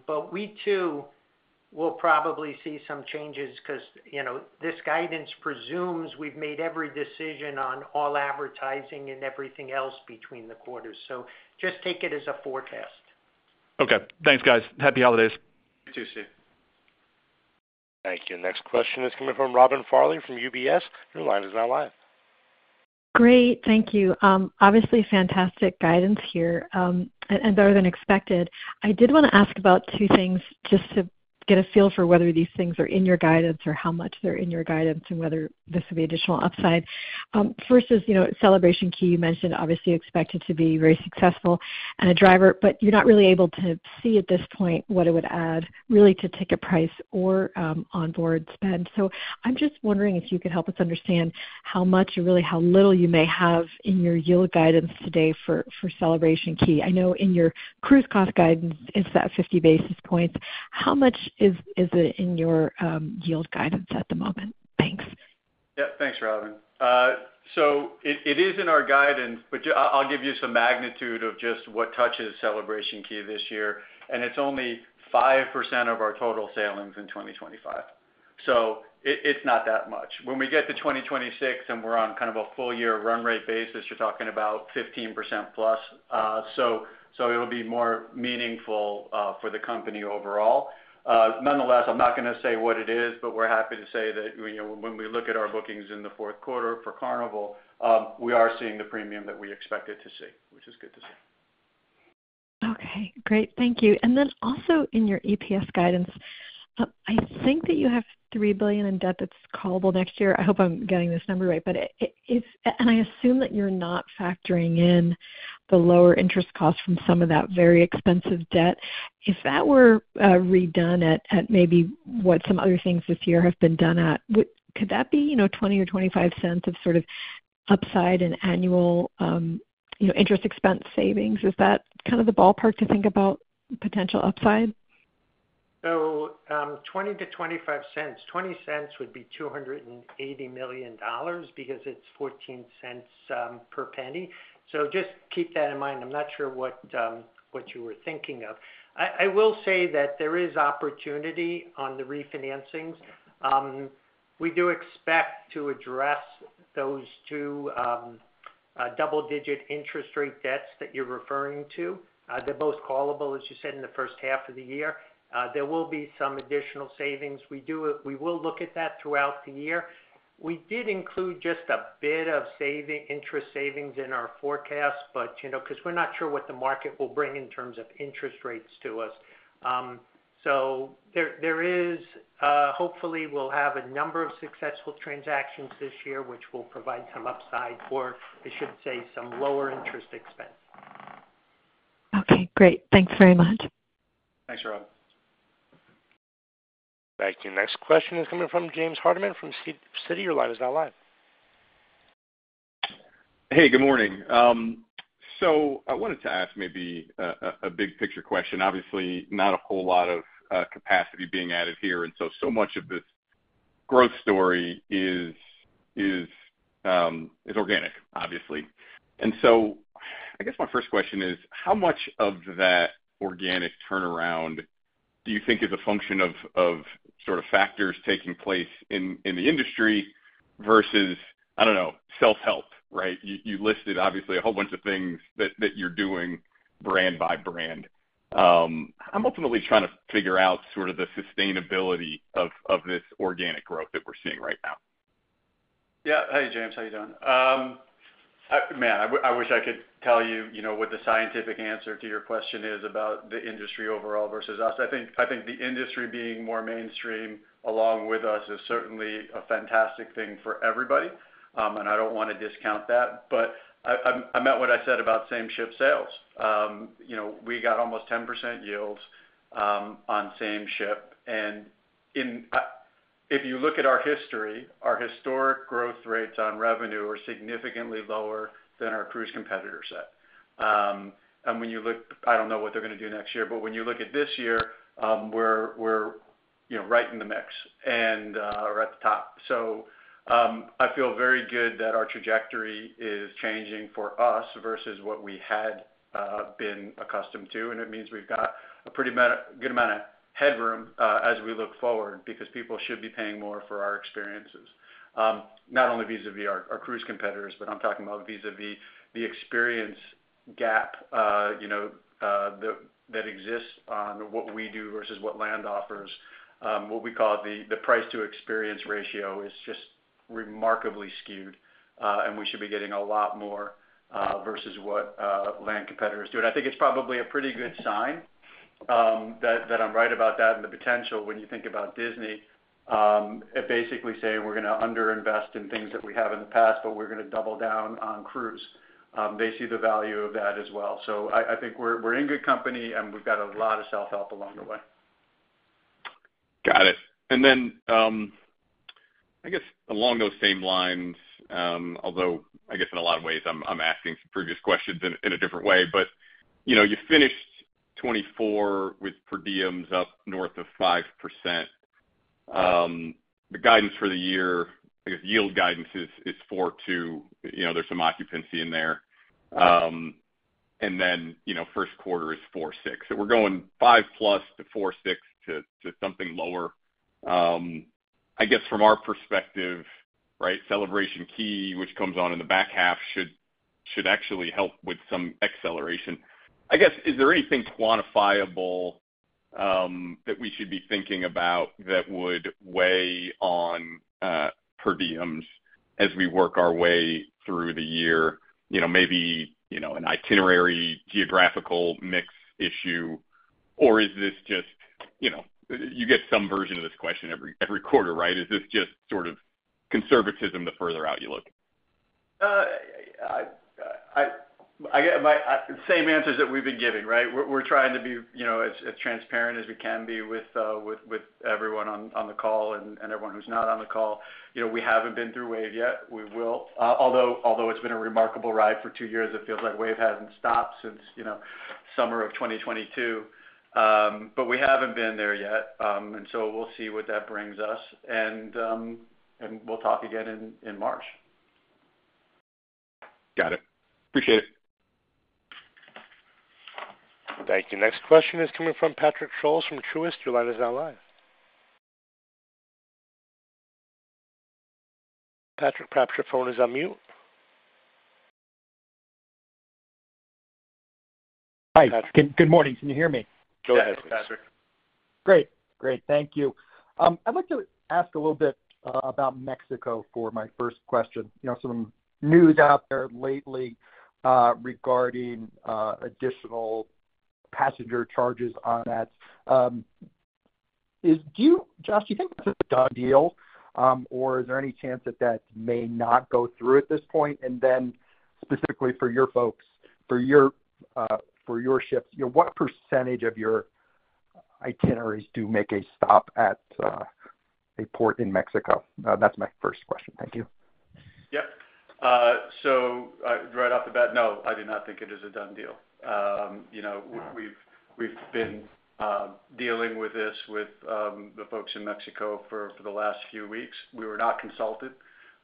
But we too will probably see some changes because this guidance presumes we've made every decision on all advertising and everything else between the quarters. So just take it as a forecast. Okay. Thanks, guys. Happy holidays. You too, Steve. Thank you. Next question is coming from Robin Farley from UBS. Your line is now live. Great. Thank you. Obviously, fantastic guidance here and better than expected. I did want to ask about two things just to get a feel for whether these things are in your guidance or how much they're in your guidance and whether this would be additional upside. First is Celebration Key. You mentioned obviously expected to be very successful and a driver, but you're not really able to see at this point what it would add really to ticket price or onboard spend. So I'm just wondering if you could help us understand how much or really how little you may have in your yield guidance today for Celebration Key. I know in your cruise cost guidance, it's that 50 basis points. How much is it in your yield guidance at the moment? Thanks. Yeah. Thanks, Robin. So it is in our guidance, but I'll give you some magnitude of just what touches Celebration Key this year. And it's only 5% of our total sailings in 2025. So it's not that much. When we get to 2026 and we're on kind of a full-year run rate basis, you're talking about 15% plus. So it'll be more meaningful for the company overall. Nonetheless, I'm not going to say what it is, but we're happy to say that when we look at our bookings in the fourth quarter for Carnival, we are seeing the premium that we expected to see, which is good to see. Okay. Great. Thank you. And then also in your EPS guidance, I think that you have $3 billion in debt that's callable next year. I hope I'm getting this number right. And I assume that you're not factoring in the lower interest costs from some of that very expensive debt. If that were redone at maybe what some other things this year have been done at, could that be $0.20 or $0.25 of sort of upside in annual interest expense savings? Is that kind of the ballpark to think about potential upside? Oh, $0.20 to $0.25. 20 cents would be $280 million because it's 14 cents per penny. So just keep that in mind. I'm not sure what you were thinking of. I will say that there is opportunity on the refinancings. We do expect to address those two double-digit interest rate debts that you're referring to. They're both callable, as you said, in the first half of the year. There will be some additional savings. We will look at that throughout the year. We did include just a bit of interest savings in our forecast because we're not sure what the market will bring in terms of interest rates to us. So there is hopefully we'll have a number of successful transactions this year, which will provide some upside or, I should say, some lower interest expense. Okay. Great. Thanks very much. Thanks, Robin. Thank you. Next question is coming from James Hardiman from Citi. Your line is now live. Hey, good morning. So I wanted to ask maybe a big-picture question. Obviously, not a whole lot of capacity being added here. And so much of this growth story is organic, obviously. And so I guess my first question is, how much of that organic turnaround do you think is a function of sort of factors taking place in the industry versus, I don't know, self-help, right? You listed, obviously, a whole bunch of things that you're doing brand by brand. I'm ultimately trying to figure out sort of the sustainability of this organic growth that we're seeing right now. Yeah. Hey, James. How are you doing? Man, I wish I could tell you what the scientific answer to your question is about the industry overall versus us. I think the industry being more mainstream along with us is certainly a fantastic thing for everybody. And I don't want to discount that. But I meant what I said about same-ship sales. We got almost 10% yields on same-ship. And if you look at our history, our historic growth rates on revenue are significantly lower than our cruise competitor set. And when you look, I don't know what they're going to do next year, but when you look at this year, we're right in the mix or at the top. So I feel very good that our trajectory is changing for us versus what we had been accustomed to. It means we've got a pretty good amount of headroom as we look forward because people should be paying more for our experiences, not only vis-à-vis our cruise competitors, but I'm talking about vis-à-vis the experience gap that exists on what we do versus what land offers. What we call the price-to-experience ratio is just remarkably skewed, and we should be getting a lot more versus what land competitors do. I think it's probably a pretty good sign that I'm right about that and the potential when you think about Disney basically saying, "We're going to underinvest in things that we have in the past, but we're going to double down on cruise." They see the value of that as well. I think we're in good company, and we've got a lot of self-help along the way. Got it. And then I guess along those same lines, although I guess in a lot of ways, I'm asking some previous questions in a different way, but you finished 2024 with per diems up north of 5%. The guidance for the year, I guess yield guidance is 4.2%. There's some occupancy in there. And then first quarter is 4.6%. So we're going 5% plus to 4.6% to something lower. I guess from our perspective, right, Celebration Key, which comes on in the back half, should actually help with some acceleration. I guess, is there anything quantifiable that we should be thinking about that would weigh on per diems as we work our way through the year? Maybe an itinerary geographical mix issue, or is this just—you get some version of this question every quarter, right? Is this just sort of conservatism the further out you look? Same answers that we've been giving, right? We're trying to be as transparent as we can be with everyone on the call and everyone who's not on the call. We haven't been through wave yet. We will. Although it's been a remarkable ride for two years, it feels like wave hasn't stopped since summer of 2022. But we haven't been there yet. And so we'll see what that brings us. And we'll talk again in March. Got it. Appreciate it. Thank you. Next question is coming from Patrick Scholes from Truist. Your line is now live. Patrick, perhaps your phone is on mute. Hi. Good morning. Can you hear me? Go ahead, Patrick. Great. Great. Thank you. I'd like to ask a little bit about Mexico for my first question. Some news out there lately regarding additional passenger charges on that. Josh, do you think that's a done deal, or is there any chance that that may not go through at this point? And then specifically for your folks, for your ships, what percentage of your itineraries do make a stop at a port in Mexico? That's my first question. Thank you. Yep. So right off the bat, no, I do not think it is a done deal. We've been dealing with this with the folks in Mexico for the last few weeks. We were not consulted.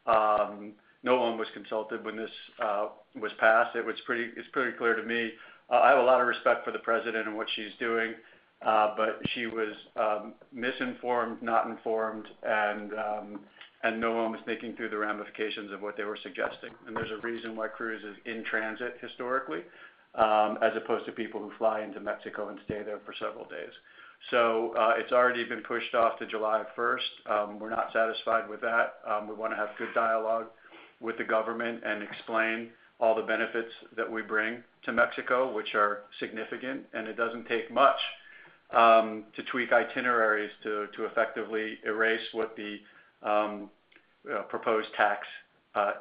No one was consulted when this was passed. It's pretty clear to me. I have a lot of respect for the president and what she's doing, but she was misinformed, not informed, and no one was thinking through the ramifications of what they were suggesting. And there's a reason why cruises in transit historically as opposed to people who fly into Mexico and stay there for several days. So it's already been pushed off to July 1st. We're not satisfied with that. We want to have good dialogue with the government and explain all the benefits that we bring to Mexico, which are significant. And it doesn't take much to tweak itineraries to effectively erase what the proposed tax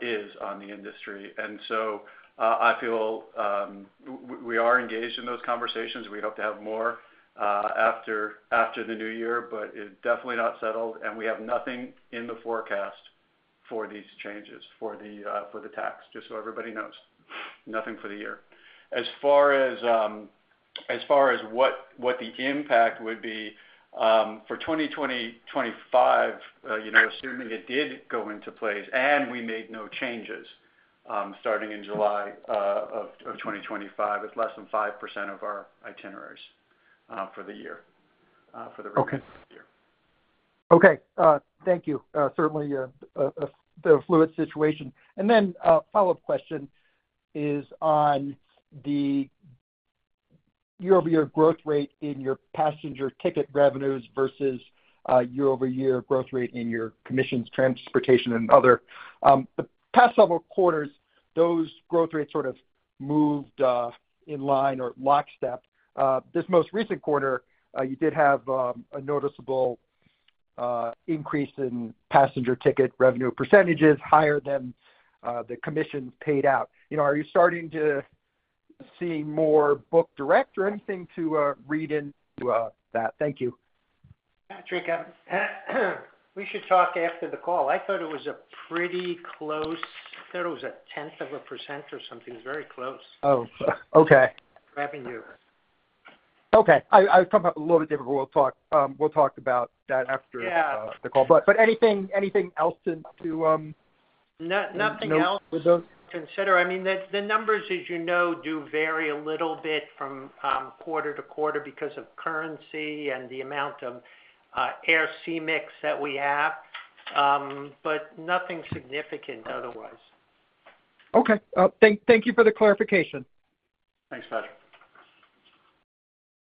is on the industry. And so I feel we are engaged in those conversations. We hope to have more after the new year, but it's definitely not settled. And we have nothing in the forecast for these changes for the tax, just so everybody knows. Nothing for the year. As far as what the impact would be for 2025, assuming it did go into place and we made no changes starting in July of 2025, it's less than 5% of our itineraries for the year, for the rest of the year. Okay. Thank you. Certainly a fluid situation. And then follow-up question is on the year-over-year growth rate in your passenger ticket revenues versus year-over-year growth rate in your commissions, transportation, and other. The past several quarters, those growth rates sort of moved in line or lockstep. This most recent quarter, you did have a noticeable increase in passenger ticket revenue percentages higher than the commissions paid out. Are you starting to see more book direct or anything to read into that? Thank you. Patrick, we should talk after the call. I thought it was a pretty close. I thought it was 0.1% or something. It was very close. Oh, okay. Revenue. Okay. I was talking about a little bit different. We'll talk about that after the call. But anything else to consider. Nothing else to consider. I mean, the numbers, as you know, do vary a little bit from quarter to quarter because of currency and the amount of air sea mix that we have, but nothing significant otherwise. Okay. Thank you for the clarification. Thanks, Patrick.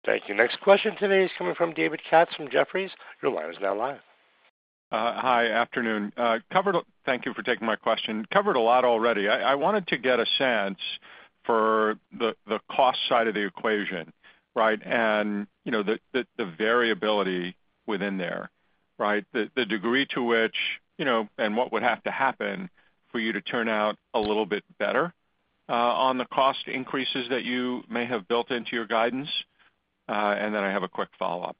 Thank you. Next question today is coming from David Katz from Jefferies. Your line is now live. Hi. Afternoon. Thank you for taking my question. Covered a lot already. I wanted to get a sense for the cost side of the equation, right, and the variability within there, right, the degree to which and what would have to happen for you to turn out a little bit better on the cost increases that you may have built into your guidance. And then I have a quick follow-up.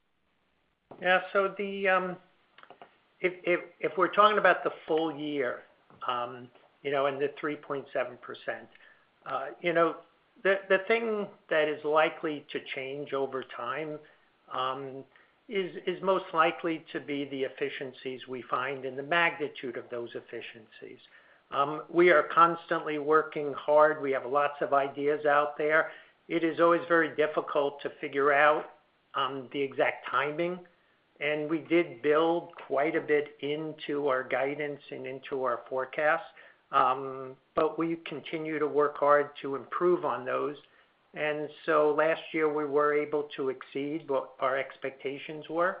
Yeah. So if we're talking about the full year and the 3.7%, the thing that is likely to change over time is most likely to be the efficiencies we find and the magnitude of those efficiencies. We are constantly working hard. We have lots of ideas out there. It is always very difficult to figure out the exact timing. And we did build quite a bit into our guidance and into our forecast, but we continue to work hard to improve on those. And so last year, we were able to exceed what our expectations were.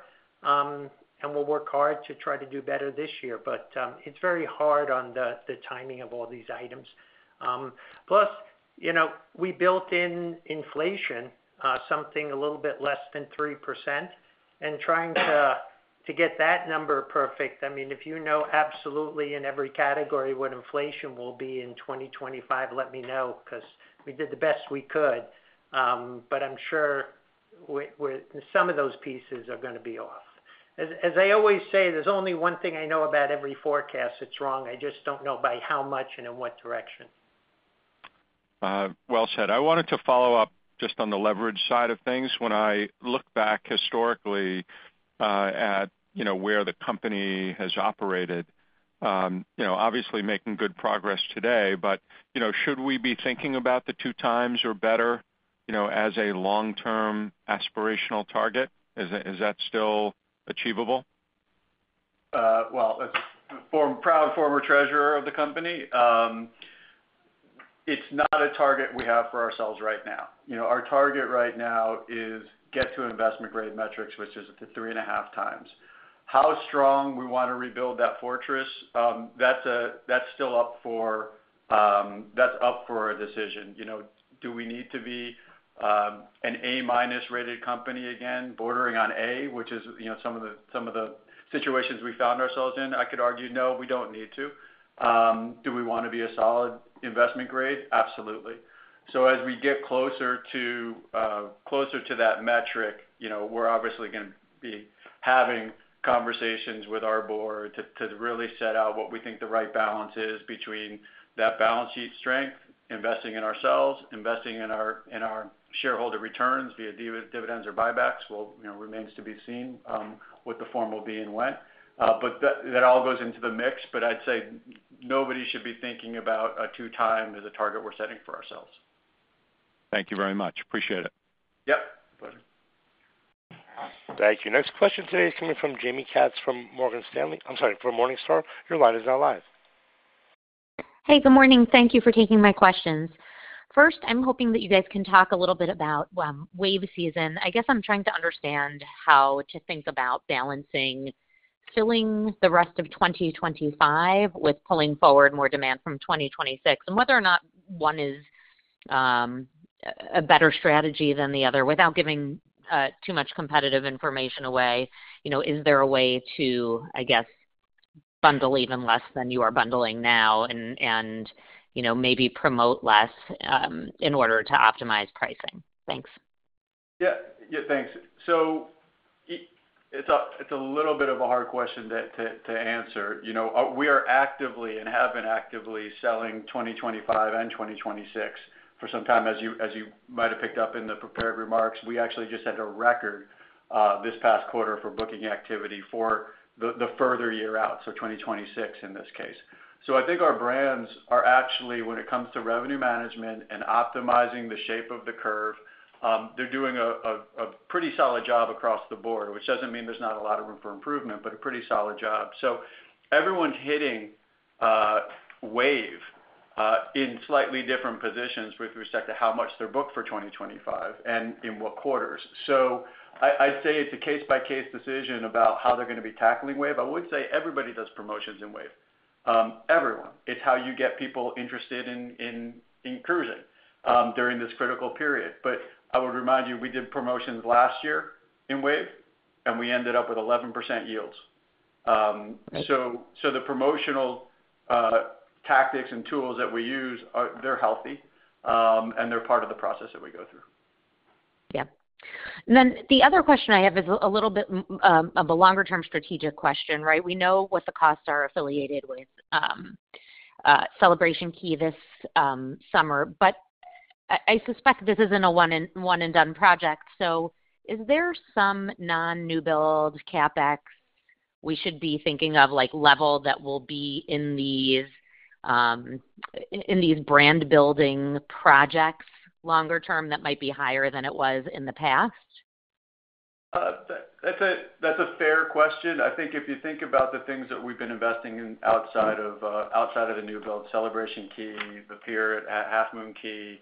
And we'll work hard to try to do better this year. But it's very hard on the timing of all these items. Plus, we built in inflation, something a little bit less than 3%. And trying to get that number perfect, I mean, if you know absolutely in every category what inflation will be in 2025, let me know because we did the best we could. But I'm sure some of those pieces are going to be off. As I always say, there's only one thing I know about every forecast that's wrong. I just don't know by how much and in what direction. Well said. I wanted to follow up just on the leverage side of things. When I look back historically at where the company has operated, obviously making good progress today, but should we be thinking about the two times or better as a long-term aspirational target? Is that still achievable? Well, as a proud former treasurer of the company, it's not a target we have for ourselves right now. Our target right now is get to investment grade metrics, which is the three and a half times. How strong we want to rebuild that fortress, that's still up for a decision. Do we need to be an A-rated company again, bordering on A, which is some of the situations we found ourselves in? I could argue, no, we don't need to. Do we want to be a solid investment grade? Absolutely. So as we get closer to that metric, we're obviously going to be having conversations with our board to really set out what we think the right balance is between that balance sheet strength, investing in ourselves, investing in our shareholder returns via dividends or buybacks. Well, remains to be seen what the form will be and when. But that all goes into the mix. But I'd say nobody should be thinking about a 2x as a target we're setting for ourselves. Thank you very much. Appreciate it. Yep. Pleasure. Thank you. Next question today is coming from Jaime Katz from Morgan Stanley. I'm sorry, from Morningstar. Your line is now live. Hey, good morning. Thank you for taking my questions. First, I'm hoping that you guys can talk a little bit about wave season. I guess I'm trying to understand how to think about balancing filling the rest of 2025 with pulling forward more demand from 2026 and whether or not one is a better strategy than the other without giving too much competitive information away. Is there a way to, I guess, bundle even less than you are bundling now and maybe promote less in order to optimize pricing? Thanks. Yeah. Yeah. Thanks. So it's a little bit of a hard question to answer. We are actively and have been actively selling 2025 and 2026 for some time. As you might have picked up in the prepared remarks, we actually just had a record this past quarter for booking activity for the further year out, so 2026 in this case. So I think our brands are actually, when it comes to revenue management and optimizing the shape of the curve, they're doing a pretty solid job across the board, which doesn't mean there's not a lot of room for improvement, but a pretty solid job. So everyone's hitting wave in slightly different positions with respect to how much they're booked for 2025 and in what quarters. So I'd say it's a case-by-case decision about how they're going to be tackling wave. I would say everybody does promotions in wave. Everyone. It's how you get people interested in cruising during this critical period. But I would remind you, we did promotions last year in wave, and we ended up with 11% yields. So the promotional tactics and tools that we use, they're healthy, and they're part of the process that we go through. Yeah. Then the other question I have is a little bit of a longer-term strategic question, right? We know what the costs are affiliated with Celebration Key this summer, but I suspect this isn't a one-and-done project. So is there some non-new build CapEx we should be thinking of level that will be in these brand-building projects longer term that might be higher than it was in the past? That's a fair question. I think if you think about the things that we've been investing in outside of the new build, Celebration Key, the Pier at Half Moon Cay,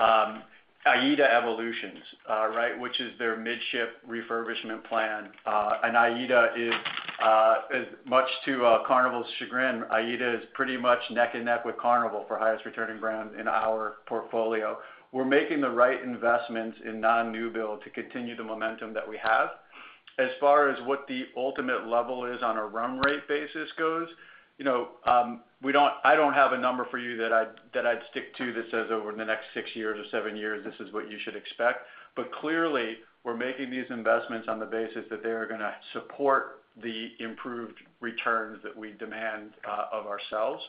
AIDA Evolution, right, which is their midlife refurbishment plan. And AIDA is, as much to Carnival's chagrin, AIDA is pretty much neck and neck with Carnival for highest returning brand in our portfolio. We're making the right investments in non-new build to continue the momentum that we have. As far as what the ultimate level is on a run rate basis goes, I don't have a number for you that I'd stick to that says over the next six years or seven years, this is what you should expect. But clearly, we're making these investments on the basis that they are going to support the improved returns that we demand of ourselves.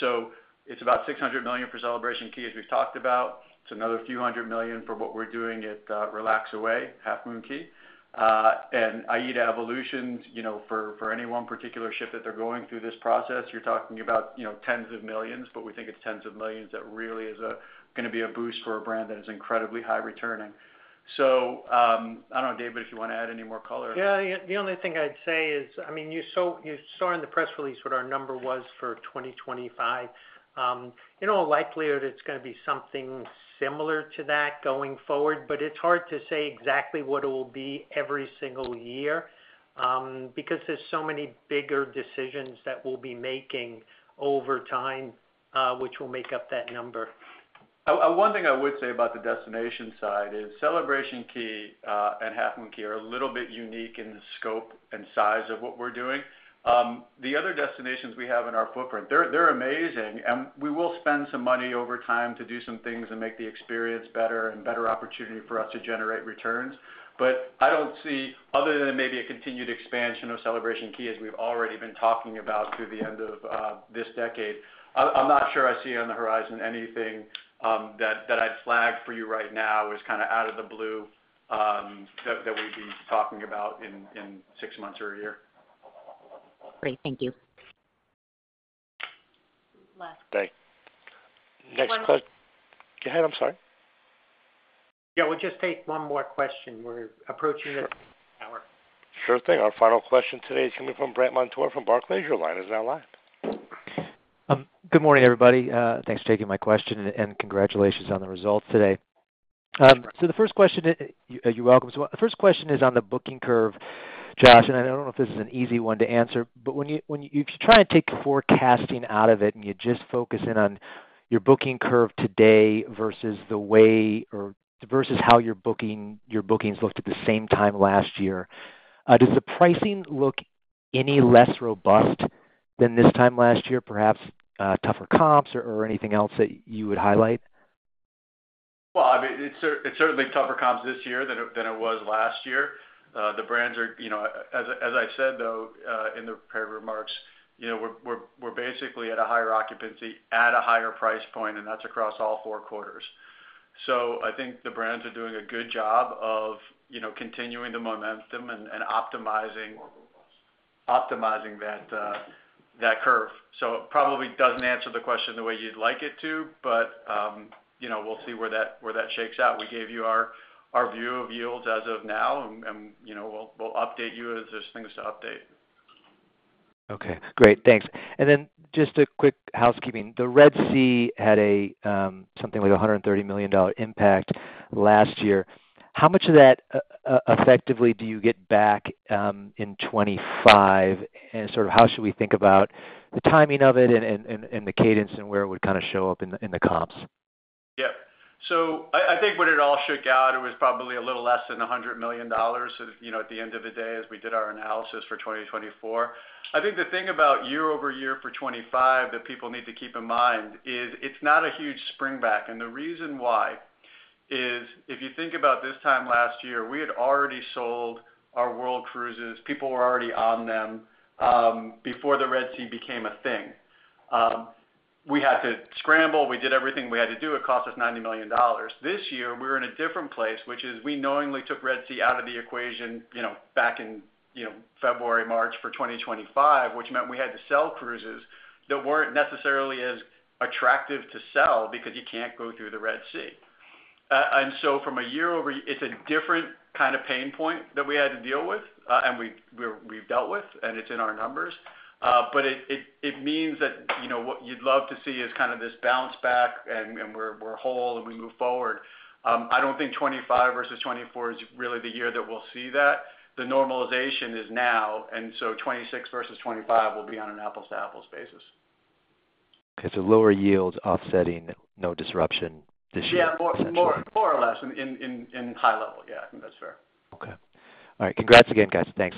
So it's about $600 million for Celebration Key, as we've talked about. It's another few hundred million for what we're doing at Relax Away, Half Moon Cay. And AIDA Evolution, for any one particular ship that they're going through this process, you're talking about tens of millions, but we think it's tens of millions that really is going to be a boost for a brand that is incredibly high returning. So I don't know, David, if you want to add any more color. Yeah. The only thing I'd say is, I mean, you saw in the press release what our number was for 2025. In all likelihood, it's going to be something similar to that going forward, but it's hard to say exactly what it will be every single year because there's so many bigger decisions that we'll be making over time, which will make up that number. One thing I would say about the destination side is Celebration Key and Half Moon Cay are a little bit unique in the scope and size of what we're doing. The other destinations we have in our footprint, they're amazing, and we will spend some money over time to do some things and make the experience better and better opportunity for us to generate returns. But I don't see, other than maybe a continued expansion of Celebration Key, as we've already been talking about through the end of this decade, I'm not sure I see on the horizon anything that I'd flag for you right now is kind of out of the blue that we'd be talking about in six months or a year. Great. Thank you. Last. Okay. Next question. Go ahead. I'm sorry. Yeah. We'll just take one more question. We're approaching the hour. Sure thing. Our final question today is coming from Brandt Montour from Barclays. Your line is now live. Good morning, everybody. Thanks for taking my question and congratulations on the results today. So the first question—you're welcome. So the first question is on the booking curve, Josh. I don't know if this is an easy one to answer, but if you try and take forecasting out of it and you just focus in on your booking curve today versus how your bookings looked at the same time last year, does the pricing look any less robust than this time last year? Perhaps tougher comps or anything else that you would highlight? I mean, it's certainly tougher comps this year than it was last year. The brands are, as I said, though, in the prepared remarks, we're basically at a higher occupancy at a higher price point, and that's across all four quarters. I think the brands are doing a good job of continuing the momentum and optimizing that curve. It probably doesn't answer the question the way you'd like it to, but we'll see where that shakes out. We gave you our view of yields as of now, and we'll update you as there's things to update. Okay. Great. Thanks. And then just a quick housekeeping. The Red Sea had something like a $130 million impact last year. How much of that effectively do you get back in 2025? And sort of how should we think about the timing of it and the cadence and where it would kind of show up in the comps? Yeah. So I think when it all shook out, it was probably a little less than $100 million at the end of the day as we did our analysis for 2024. I think the thing about year-over-year for 2025 that people need to keep in mind is it's not a huge springback. And the reason why is if you think about this time last year, we had already sold our world cruises. People were already on them before the Red Sea became a thing. We had to scramble. We did everything we had to do. It cost us $90 million. This year, we were in a different place, which is we knowingly took Red Sea out of the equation back in February, March for 2025, which meant we had to sell cruises that weren't necessarily as attractive to sell because you can't go through the Red Sea. And so from a year over, it's a different kind of pain point that we had to deal with and we've dealt with, and it's in our numbers. But it means that what you'd love to see is kind of this bounce back, and we're whole, and we move forward. I don't think 2025 versus 2024 is really the year that we'll see that. The normalization is now, and so 2026 versus 2025 will be on an apples-to-apples basis. Okay. So lower yields offsetting no disruption this year. Yeah. More or less in high level. Yeah. I think that's fair. Okay. All right. Congrats again, guys. Thanks.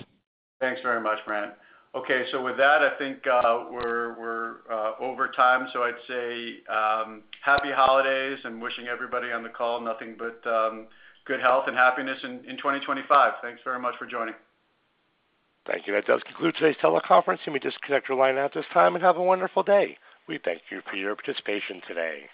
Thanks very much, Brandt. Okay. So with that, I think we're over time. So I'd say happy holidays and wishing everybody on the call nothing but good health and happiness in 2025. Thanks very much for joining. Thank you. That does conclude today's teleconference. You may disconnect your line at this time and have a wonderful day. We thank you for your participation today.